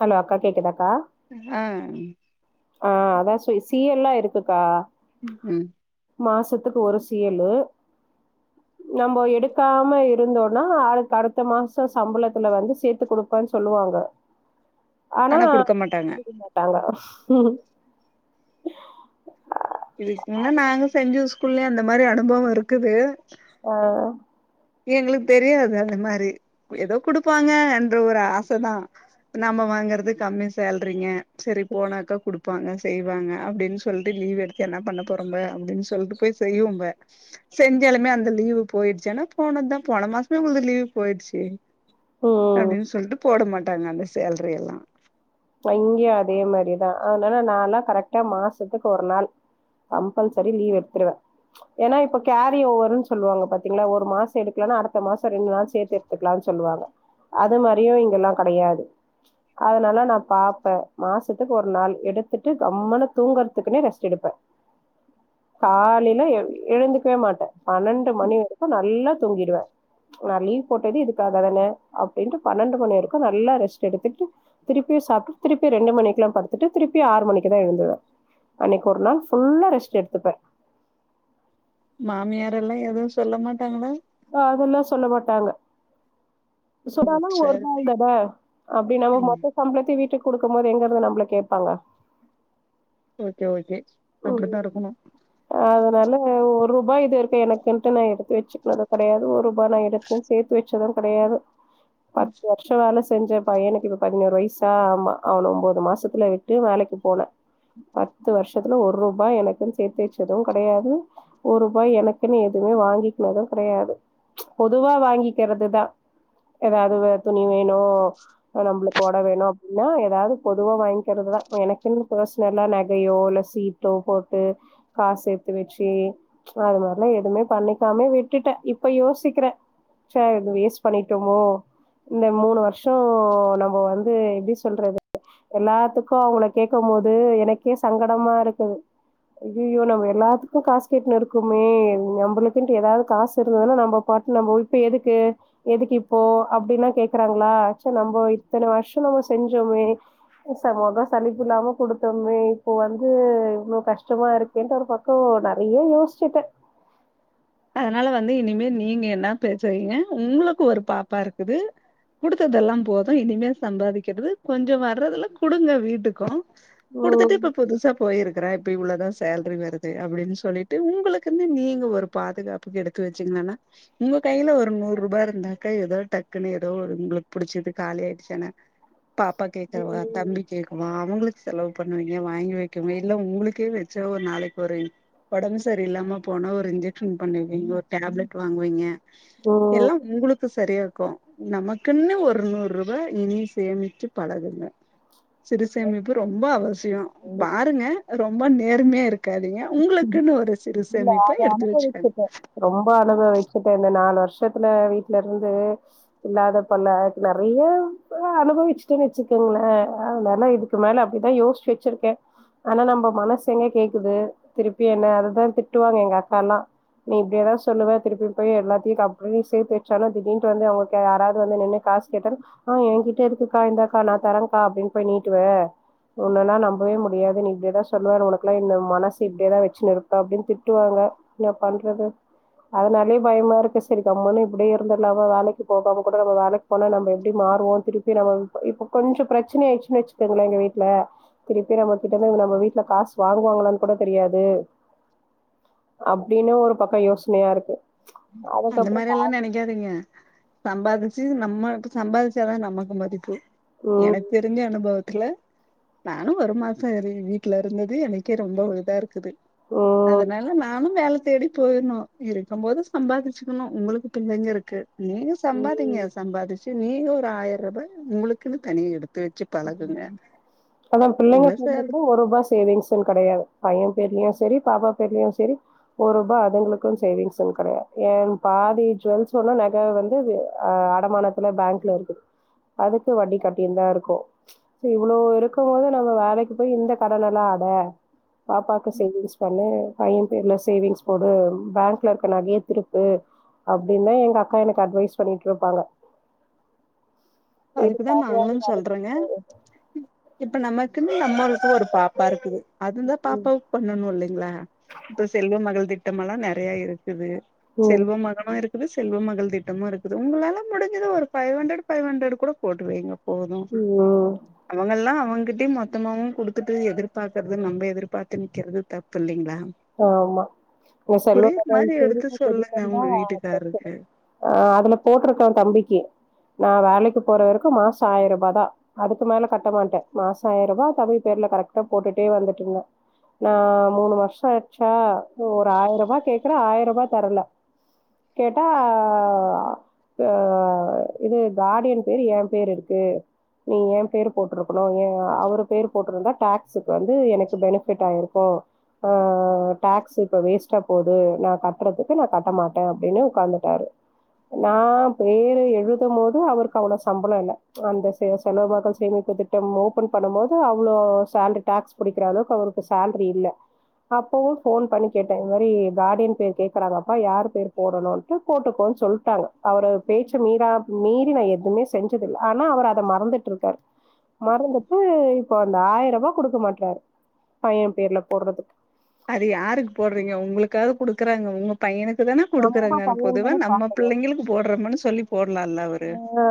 Hello அக்கா கேக்குதா ஆ ஆ அதா சு சீ எல்லா இருக்குக்கா ம் ம் மாசத்துக்கு ஒரு சீலு நம்ம எடுக்காம இருந்தோம்னா அ அடுத்த மாசோ சம்பளத்துல வந்து சே த்து கொடுப்பான்னு சொல்லுவாங்க ஆனா குடுக்க மாட்டாங்க குடுக்க மாட்டாங்க ம் இதுக்குரமுன்னா நாங்க செஞ்சுது குள்ளயே அந்த மாதிரி அனுபவம் இருக்குது ஆ எங்களுக்கு தெரியாது அந்த மாதிரி ஏதோ குடுப்பாங்கன்ற ஒரு ஆசைதா நம்ம வாங்கறது கம்மி சேலரிங்க சரி போனாக்கா குடுப்பாங்க செய்வாங்க அப்டின்னு சொல்லிட்டு லீவ் எடுத்து என்ன பண்ண போறோம்ப அப்படின்னு சொல்லிட்டு போய் செய்வோம்ப செஞ்சாலுமே அந்த லீவு போயிடுச்சன்னா போனதா போன மாசமே உங்களுக்கு லீவு போயிடுச்சி ம் அப்டின்னு சொல்லிட்டு போட மாட்டாங்க அந்த சேலரி எல்லா இங்கயே அதே மாதிரிதா அதனால நான்ல்லா கரெக்டா மாசத்துக்கு ஒரு நாள் கம்பல்சரி லீவ் எடுத்துடுவே ஏன்னா இப்ப கேரி ஓவருன்னனு சொல்லுவாங்க பாத்தீங்களா ஒரு மாசோ எடுக்கலாம்ன்னா அடுத்த மாசோ ரெண்டு நாள் சேர்த்து எடுத்துக்கலாம்னு சொல்லுவாங்க அது மாரியு இங்கெல்லா கடையாது அதனால நா பாப்பே மாசத்துக்கு ஒரு நாள் எடுத்துட்டு கம்முனு தூங்குறத்துக்குன்னே ரெஸ்ட் எடுப்பே காலையில எழுந்துக்கவே மாட்டே பன்னெண்டு மணி வரைக்கு நல்லா தூங்கிடுவே நா லீவ் போட்டது இதுக்காக தானே அப்படின்ட்டு பன்னெண்டு மணி வரைக்கு நல்லா ரெஸ்ட் எடுத்துட்டு திருப் ப்பி சாப்பிட்டு திருப்பி ரெண்டு மணிக்கு எல்லா படுத்துட்டு திருப்பி ஆறு மணிக்கு தா எழுந்துவே அன்னைக்கு ஒரு நாள் ஃபுல்லா ரெஸ்ட் எடுத்துப்பே மாமியாரெல்லா எதுவு சொல்ல மாட்டாங்களா பா அதெல்லா சொல்ல மாட்டாங்க ஓ சுடானு ஒரு சரி நாள் தானே அப்டி நம்ம ம் மொத்த சம்பளத்தையு வீட்டுக் குடுக்கு போது எங்க இருந்து நம்மள கேட்பாங்க ஓகே ஓகே ம் அப்டித்தா இருக்கணு அதனாலங்க ஒர் ஒரு ரூபா இது வரைக்கு எனக்குன்டு நா எடுத்து வச்சுனது கெடையாது ஒரு ரூபா நா எடுத்து சேர்த்து வச்சது கெடையாது பத்து வருஷோ வேல செஞ் செஞ்சப்ப எனக்கு இப்ப பதினோரு வயசா ஆமா அவன ஒன்பது மாசத்துல விட்டு வேலைக்கு போனே பத்து வருஷ ஒரு ரூபாய் எனக்குன்னு சேர்த்து வச்சதும் கிடையாது ஒரு ரூபாய் எனக்குன்னு எதுவுமே வாங்கிக்கது கிடையாது பொதுவா வாங்கிக்கிறது தா ஏதாவது துணி னு நம்மளுக்கு போட வேணு அப்டி னா ஏதாவது பொதுவா வாங்கிக்கிறதுதா எனக்குன்னு ப்ரஸ்னலா நகையோ இல்ல சீட்டோ போட்டு காசு சேத்து வச்சு அது மாரிலா எதுமே பண்ணிக்காமே விட்டுட்டே இப்ப யோசிக்கிறே ச்ச வேஸ்ட் பண்ணிட்டோமோ இந்த மூணு வருஷோ நம்ம வந்து எப்படி சொல்றது எல்லாத்துக்கு அவுங்கள கேக்கும் போது எனக்கே சங்கடமா இருக் ஐய்ய்யோ நம்ம எல்லாத்துக்கு காசு கேட்டுனு இருக்குமே நம்மளுக்குட்டு ஏதாவது காசு இருந்ததுன்னா நம்மட்டு நம இப்ப எதுக்கு எதுக்கு இப்போ அப்படின்னா கேக்குறாங்களா ச்ச நம்மோ இத்தன வருஷம் நம்ம செஞ்சோமே முகம் சலிப்பு இல்லாம கொடுத்தோமே இப்போ வந்து து இவ்ளோ கஷ்டமா இருக்கேன்ட்டு ஒரு பக்கோ நிறைய யோசிச்சுட்டே அதனால வந்து இனிமே நீங்க என்னா பேசுறீங்க உங்களுக்கு ஒரு பாப்பா இருக்குது குடுத்ததெல்லாம் போது இனிமே சம்பாதிக்கிறது கொஞ்ச வர்றதுல குடுங்க வீட்டுக்கு குடுத்துட்டு ம் இப்ப புதுசா போயிருக்குறே இப்ப இவ்ளதா சேல்ரி வருது அப்பிடின்னு சொல்லிட்டு உங்களுக்குன்னு நீங்க ஒரு பாதுகாப்புக்கு எடுத்து வச்சீங்லானா உங்க கைல ஒரு நூறு ரூபா இருந்தாக்கா எதோ டக்குன்னு எதோ உங்களுக்கு புடிச்சது காலி ஆயிடுச்சுனா பாப்பா ம் கேக்குறவா தம்பி கேக்குவா அவுங்களுக்கு செலவு பண்ணுவீங்க வாங்கி வைக்கவு இல்ல உங்களுக்கே வெச்சா ஒரு நாளைக்கி ஒரு ஒடம்பு சரி இல்லாம போன ஒரு இஞ்ச க்‌ஷன் பண்ணுவீங்க ஒரு டேப்லெட் வாங்குவீங்க ம் எல்லா உங்களுக் கு சரியா இருக்கு நமக்குன்னு ஒரு நூறு ரூபா இனியும் சேமிச்சு பழகுங்க சிறுசேமிப்பு ரொம்ப அவசியோ கண்டிப் பாருங்க அ ரொம்ப நேர்மையா இரு க்காதீங்க உங்களுக்குன்னு ஒரு சிறுசேமிப்ப எடுத்து வச் ச்சுட்டே ரொம்ப அனுபவிச்சுட்டே நாலு வருஷத்துல வீட்ல இருந்து இல்லாத பல நெறைய ஆ அனுபவிச்சுட்டேன்னு வச்சுக்கங்களே அதனால இதுக்கு மேல அப்டிதா யோசிச்சு வச்சிருக்கே ஆனா நம்ப மனசு எங்க கேக்குது திருப்பி என்ன அதுதா திட்டுவாங்க எங்க அக்கா எல்லா. நீ இப்டியேதா சொல்லுவே திருப்பி போய் எல்லாத்தையு க அப்டி நீ சேத்து வச்சாலு திடீர்ன்ட்டு வந்து அவங்க யாராவது வந்து நின்னு காசு கேட்டா ஆ ஏன்கிட்ட இருக்குக்கா இந்தாக்கா நா தரேங்க்கா அப்டின்னு போய் நீட்டுவே உன்னல்லா நம்பவே முடியாது நீ இப்டியேதா சொல்லுவ உனக்கெல்லா இந்த மனச இப்டியேதா வச்சுனு இருப்பே அப்டின்னு திட்டுவாங்க என்ன பண்றது அதனாலே பயமா இருக்கு சரி கம்முனு இப்படியே இருந்திருலாமா வேலைக்கி போகாம கூட நம்ப வேலைக்கு போனா நம்ப எப்டி மாறுவோ திருப்பி நம்ம இப்ப இப்ப கொஞ்ச பிரச்சனை ஆயிடுச்சுன்னு வச்சுக்கோங்களே எங்க வீட்ல திருப்பி நம்ம கிட்ட போய் நம்ம வீட்ல காசு வாங்குவாங்களான்னு கூட தெரியாது அப்டின்னு ஒரு பக்கோ யோசனையா இருக்கு. ம் அந்த அதுக்கப்றோ மாரி எல்லா நெனைக்காதீங்க சம்பாதிச்சு நம்ம சம்பாதிச்சாதா நமக்கு மதிப்பு ம் எனக்கு தெரிஞ்ச அனுபவ த்துல நானு ஒரு மாசோ வீ வீட்ல இருந்தது எனக்கே ரொம்ப இதா இருக்குது. ம் அதனால நானு வேல தேடி போயிருணு இருக்கும் போது சம்பாதிச்சுக்கணு உங்களுக்கு பிள்ளைங்க இருக்கு நீங்க ம் சம்பாதிங்க சம்பாதிச் சு நீங்க ஒரு ஆயர்ரூபா உங்களுக்குன்னு தனியா எடுத் அதான் பிள்ளைங்க இவ்ளோ பேர்ல சார் கூட ஒரு ரூபா சேவிங்ஸ்னு கெடையாது பைய பேர்லயு சரி பாப்பா பேர்லயு சரி ஒரு ரூபா அதுங்களுக்குன்னு சேவிங்ஸுனு கெடையாது ஏன் பாதி ஜுவல்ஸ் சொன்னா நக வந்து ஆ அடமானத்துல பேங்க்ல இருக்குது. அதுக்கு வட்டி கட்டினுந்தா இருக்கோ சோ இவ்ளோ இருக்குபோது நம்ம வேலைக்கி போய் இந்த கடன எல்லா அட பாப்பாக்கு சேவிங்ஸ் பண்ணு பைய பேர்ல சேவிங்ஸ் போடு பேங்க்ல இருக்க நகைய திருப்பு அப்டின்னு எங்க அக்கா எனக்கு அட்வைஸ் பண்ணிட்ருப்பாங்க அதுக்குதா நாங்களு சொல்றேங் க இப்ப நம்ம க்குமே நம்மளுக்குனு ஒரு பாப்பா இருக்குது அது தா ம் பாப்பாவுக் பண்ணனு இல்லெங்ளா இப்ப செல்வமகள் திட் டமெல்லா நெறைய இரு க்குது ம் செல்வமகனு இரு க்குது செல்வமகள் திட்டமு இருக்குது உங்களால முடுஞ்சது ஒரு ஃபைவ் ஹன்ட்ரடு ஃபைவ்ஹன்ட்ரடு கூட போட்டுவைங்க போது ம் அவங்கல்லா அவங் கிட்டயு மொத்தமாவு குடுத்துட்டு எதிர்பாக்கற்து நம்ப எதிர்பாத்து நிக்கிறது தப்பில்லிங்ளா ஆமா நா செல்வமகள் மாரி எடுத்து சேமிப்பு சொல்லுங்க திட்டொந்தா உங்க வீட்டுக்காருக்கு [unintelligible] ஆ அதுல போட்ருக்கோ தம்பிக்கு நா வேலைக்கு போற வரைக்கு மாச ஆயருபா தா அதுக்கு மேல கட்ட மாட்டே மாச ஆயருபா தம்பி பேர்ல கரெக்டா போட்டுட்டே வந்துட்ருந்தே நா மூணு வர் ஷொ ஆச்சா ஒரு ஆயருபா கேக்குறே ஆயருபா தரல கேட்டா ஆ இது கார்டியன் பேரு ஏ பேரு இருக்கு நீ ஏ பேரு போட்ருக்கனு ஏ அவரு பேரு போட்ருந்தா டாக்ஸுக்கு வந்து எனக்கு பெனிஃபிட் ஆயிருக்கு ஆடாக்ஸ் இப்ப வேஸ்ட்டா போது நா கட்றதுக்கு நா கட்ட மாட்டே அப்டின்னு உக்காந்துட்டாரு நா பேரு எழுதமோது அவருக்கு அவ்ள சம்பள இல்ல அந்த செ செல்வ மக்கள் சேமிப்பு திட்டம் ஓபன் பண்ணும்மோது அவ்ளோ சேல்ரி டாக்ஸ் புடிக்கிற அளவுக்கு அவருக்கு சேல்ரி இல்ல அப்பவு ஃபோன் பண்ணி கேட்டே இது மாரி கார்டியன் பேர் கேக்குறாங்க அப்னா யார் பேர் போடனுன்ட்டு போட்டுக்கோன் சொல்ட்டாங்க அவரு பேச்சு மீறா மீறி நா எதுமே செஞ்சதில்ல ஆனா அவர் அத மறந்துட்ருக்காரு மறந்துட்டு இப்போ அந்த ஆயிருபா குடுக்க மாட்றாரு பைய பேர்ல போட்றதுக்கு அது யாருக்கு போட்றீங்க உங்களுக்காது குடுக்குறாங்க உங்க பையனுக்கு தான நம்ம குடுக்குறாங்க பையன் பொதுவா தான பா நம்ம பிள்ளைங்களுக்கு போட்றோமுனு சொல்லி போடலால்ல அவரு ஆ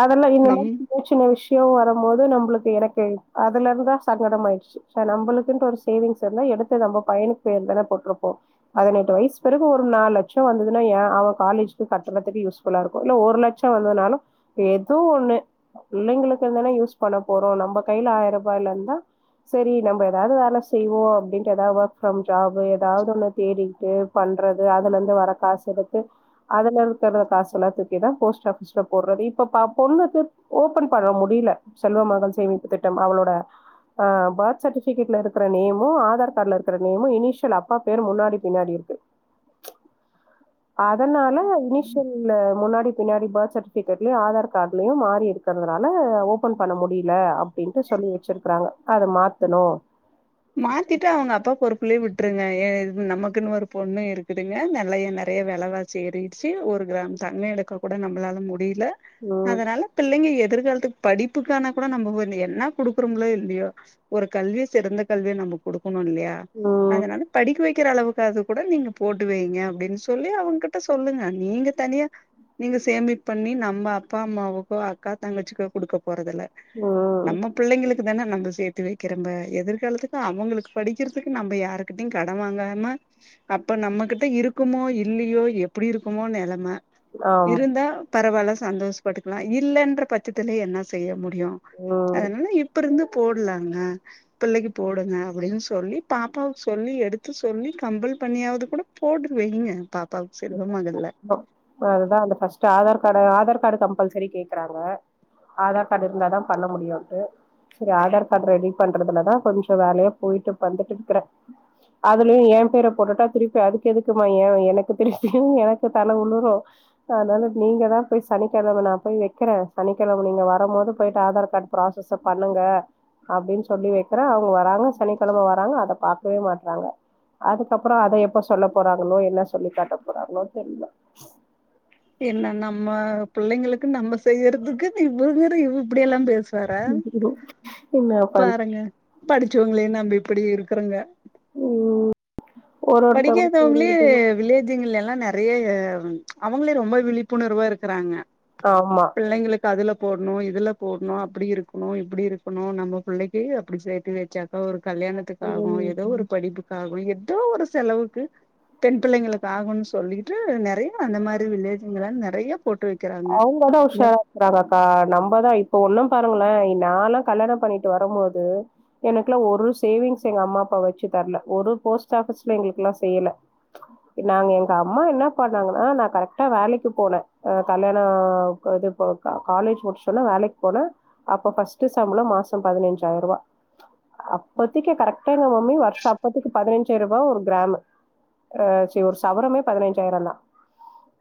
அதல்லா இந்த நம் மாரி சின்ன சின்ன விஷ்யொ வரம்போது நம்ளுக்கு என க்கு அதுலருந்தா சங்கடமாயிடுச்சு இப்ப நம்பளுக்குன்ட்டு ஒரு சேவிங்ஸ் இருந்தா எடுத்து நம்ப பையனுக் பேர் தானெ போட்ருப்போ பதினெட்டு வயசு பிறகு ஒரு நாலு லட்சோ வந்ததுனா ஏ அவ காலேஜுக்கு கட்றதுக்கு யூஸ்ஃபுல்லா இரு இல்ல ஒரு லட்ச வந்ததுனாலு எதோ ஒன்னு பிள்ளைங்களுக்குந்தான யூஸ் பண்ண போறோ நம்ப கைல ஆயருபாய்ல இந்தா சேரி நம்ப எதாவ்து வேல செய்வோ அப்டின்ட்டு எதா ஒர்க் ஃப்ரம் ஜாபு எதாவ்து ஒன்னு தேடிட்டு பண்றது அதுலந்து வர காசெடுத்து அதுலருக்கற்த காசு எல்லாத்து தேதா போஸ்ட் ஆஃபிஸ்ல போட்றது இப்ப ப பொண்ணுக்கு ஓபன் பண்ண முடில செல்வமகள் சேமிப்பு திட்டம் அவளோட அ பர்த் சட்டிஃபிகேட்ல இருக்குற நேமு ஆதார் கார்டல இருக்குற நேமு இனிஷியல் அப்பா பேர் முன்னாடி பின்னாடி இருக்கு அதனால இனிஷியல்ல முன்னா டி பின்னாடி பர்த் சர்டிஃபிகேட்லயு ஆதார் காட்லையு மாறி இருக்றதுனால ஓபன் பண்ண முடில அப் டின்ட்டு சொல்லி வச்சிருக்குறாங்க அத மாத்தனு மாத்திட்டா அவுங்க அப்பா பொறுப்புலே விட் ருங்க நமக்குன்னு ஒரு பொண்ணு இருக்குதுங்க நல்லைய நறைய வெலவாசி ஏறிடுச்சு ஒரு கிராம் தங்க எடுக்க கூட நம்மளால மு டில உம் அதனால பிள்ளைங்க எ திர்காலத்துக்கு படிப்புக்கான கூட நம்ப என்ன குடுக்குறோங்களோ இல்லயோ ஒரு கல்வி சிறந்த கல்விய நம்ம குடு க்கனுல்யா உம் அதனால படிக்க வை க்கிற அளவுக்காக கூட நீங்க போட்டு வைங்க அப்பிடின் சொல்லி அவுங்கிட்ட சொல்லுங்க நீங்க தனியா நீங்க சேமிப் பண்ணி நம்ம அப்பா அம்மாவுக்கோ அக்கா தங்கச்சிக்கோ குடுக்க போறதில்ல உம் நம்ம பிள்ளைங்களுக் க்குதான நம்ம சேர்த்து வைக்கிறம்ப எதிர் காலத்துக்கு அவங்களுக்கு படிக்கிறதுக்கு நம்ம யாருகிட்டயு கட வாங்காம அப்ப நம்மகிட்ட இருக்குமோ இல்லியோ எப்பிடி இருக்குமோ நெலம ஆமா இருந்தா பரவாயில்ல சந்தோஷப்பட்டுக்கலா இல்லன்ற பட்சத்தில என்னா செய்ய முடி டியு உம் அதனால இப்ப இருந்து போடலாங்க பிள்ளைக்கு போடுங்க அப்பிடின் சொல்லி பாப்பாவுக்கு சொல்லி எடுத்து சொல்லி கம்பல் பண்ணியாவது கூட போடவைங்க பாப் அதுதா அந்த first Aadhaar card Aadhaar card compulsory கேக்குறாங்க ஆதார் கார்டு இருந்தாதா பண்ண முடியுன்ட் சேரி ஆதார் கார்டு ரெடி பண்றதுலதா கொஞ்சோ வேலையா போயிட்டு வந்துட்டு இருக்கறே அதுலயு ஏ பேர போட்டுட்டா திருப்பி அதுக்கு எதுக்கு மா ஏ எனக் [unintelligible] எனக்கு தல உலுரு அனால நீங்கதா போய் சனிக்கிழமை நா போ வைக்கிறே சனிக்கிழம நீங்க வரம் போது போயிட்டு ஆதார் கார்டு ப்ராசஸ் பண்ணுங்க அப்பிடின்னு சொல்லி வைக்கிறே அவங்க வராங்க சனிக்கிழம வராங்க அத பாக்கவே மாட்டறாங்க அதுக்கப்புறோ அத எப்ப சொல்ல போறாங்களோ என்ன சொ சொல்லிக்காட்ட போறாளோ தெரில என்ன நம்ம புள்ளைங்களுக்கு நம்ப செய்யறதுக்கு இவங்கற இப்பிடி எல்லாம் பே சர என்ன பண் பாருங்க படிச்சவங்களே நம்பி ப்பிடி இருக்குறங்க உ படிக்காதவங்களே வில்லேஜிங்கிள எல் லா நெறைய அவங்களே ரொம்ப விழிப்புணர்வா இருக்கிறாங்க ஆமா பிள்ளைங்களுக்கு அதுல போட்ணு இதுல போட்ணு அப்பிடி இருக்கணு இப்பிடி இருக்கணு நம்ம பிள்ளைக்கு அப்பிடி சேர்த்து வச்சாக்கா ஒரு கல்யாணத்துக்காகு ஏதோ ம் ஒரு படிப்புக்காகு எ ட்டு ஒரு செலவுக்கு பெண் பிள்ளைங்களுக்கு ஆகும் சொல்லிட்டு நெறைய அந்த மாரி வில்லேஜிங்களா நெறைய போட்டு வைக்கிறாங்க சாராக்கறாங்கக்கா நம்மதா இப்போ ஒன்னு பாருங்க ப்புலா நாலா கல்யாணம் பண்ணிட்டு வரம் போது எனக்குல்லா ஒரு சேவிங்ஸ் எங்க அம்மா அப்பா வச்சு தரல ஒரு போஸ்ட் ஆபிஸ்ல எங்களுக்குல்லா செய்யல நாங்க எங்க அம்மா என்ன பண்ணாங்கன்னா நா கரெக்டா வேலைக்கு போனே அ கல்யாணம் க் இது போ கா காலேஜ் முடிச்சோன்னா வேலைக்கு போன அப்ப பஸ்ட் சம்பளம் மாசம் பதினைஞ்சாயிரரூவா அப்பதக்கி கரெக்டா எங்க மம்மி வருஷ அப்பத்தக்கு பதினஞ்சாயிர ரூவா ஒரு கிராம் ஆ சி ஒரு சவரமே பதினைந் சயிரந்தா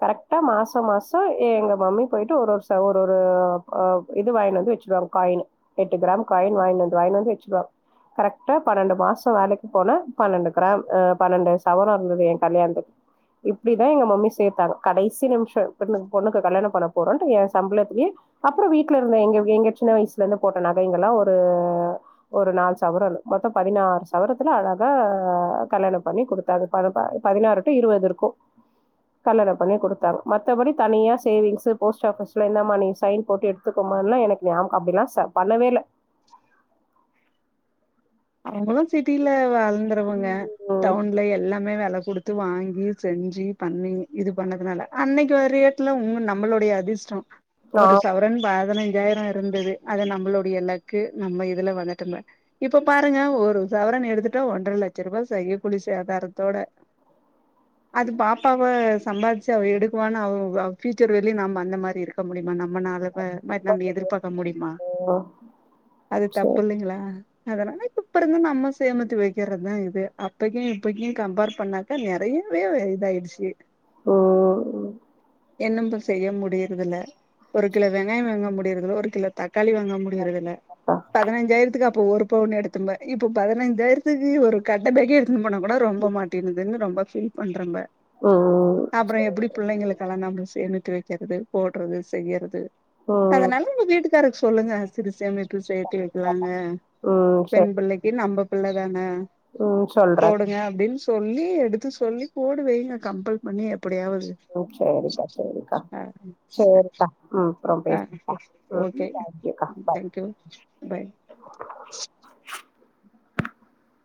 கரெக்டா மாசம் மாச ச எங்க மம்மி போயிட்டு ஒரு ஒரு ச ஒரு ஒரு அ இது வங்கிந்து வச்சிருவாங்க காயின் எட்டு கிராம் காயின் வாயின்ட் வந்து வாயின்ட் வந்து வச்சுருவாங்க கரெக்டா பன்னெண்டு மாசம் வேலைக்கு போன பன்னெண்டு கிராம் பன்னெண்டு சவரம் இருந்தது என் கல்யாணத்துக்கு இப்படிதா எங்க மம்மி சேர்த்தாங்க கடைசி நிமிஷம் பென்னு பொண்ணுக்கு கல்யணம் பண்ண போறோன்ட்டு எ சம்பளத்துலேயே அப்புறோ வீட்டுல இருந்து எங்க எங்க சின்ன வயசுல இருந்து போட்ட நகைங்கல்லா ஒரு ஒரு நாலு சவரம் மொத்தம் பதினாறு சவரத்துல அழகாக கல்யாணம் பண்ணி குடுத்தாங்க பத பதினாறு டூ இருபது இருக்கு கல்யாணம் பண்ணி குடுத்தாங்க மத் மத்தபடி தனியா சேவிங்ஸ் போஸ்ட் ஆஃபிஸ்ல இந்த மாரி சையின் போட்டு எடுத்துக்கு கோம்மா எனக்கு ஞம் அப்படிலா சா பண்ணவேல்ல அவுங்களு சிட்டில வாழ் ந்துருவங்க ம் டவுன்ல எல்லாமே வெல குடுத் த்து வாங்கி செஞ்சு பண்ணி இது பண்ணதுனால அன்னைக்கு ஒரு ஏட்ல உங்க நம்மளுடைய அதிர்ஷ்டம் ஆ ஒரு சவரன் பா பதினைஞ்சாயிர இருந்தது அத நம்மளுடைய லக்கு நம்ம இதுல வந்துட்டு இப்ப இப்போ பாருங்க ஒரு சவரன் எடுத்துட்டா ஒன்றரை லட்ச ரூபாய் செய்ய கூலி சேதாரத்தோட அது பாப்பாவா சம்பாதிச்சு அவ எடுக்குவான்னு அவ ஃபியூச்சர் வெளிய நாம அந்த மாதிரி இருக்க முடியும் நம்ம நாலுபேர நம்ம எதிர்பார்க்க முடியுமா அது தப்பு சரி இல்லைங்கிளா அதுனால இப்ப இருந்து நம்ம சேமத்து வைக்கிறதுதா இது அப்பக்கு இப்பக்கு கம்பேர் பண்ணாக்கா நெறயவே இதாயடுச்சு ஓஓஓ என்னும்ம செய்ய முடியுறதில்ல ஒரு கிலோ வெங்காய வாங்க முடியுறதல ஒரு கிலோ தக் காளி வாங்க முடியறதுல பதினஞ்சாயிரத்துக்கு போர் இப்ப ஒன்னு எடுத்தப இப்ப பதினைஞ்சாயிரத்துக்கு ஒரு கட்ட பேக்கே எடுத்து போனா கூட ரொம்ப மாட்டேினதுன்னு ரொம்ப ஃபீல் பண்றம்ப ம் அப்றோ எப்டி புள்ளைங்களுக்கு நாம செ சேமித்து வெக்கிறது போடுறது செய்யுறது ம் சரி ம் அதனால உங்க வீடுக் க்காருக்கு சொல்லுங்க சிறு சேமிப்பு சேத்தி இருக்கலாங்க உம் சரி நம்ம புள்ள தான உம் சொல்றே சொல்லி எடுத்து சொல்லி போடு வைங்க கம்பல் பண்ணி எப்படியாவது ம் சேரிக்கா சேரிக்கா ஆ சரி சேரிக்கா உம் அப்றம் ஆ பேசுக்கா உம் ஓகே தேங்யூக்கா பாய் தேங்க்யூ பாய் [inaudible]